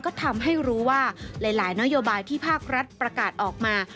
ก็ทำให้รู้ว่าหลายนโยบายที่ภาครัฐประกาศออกมา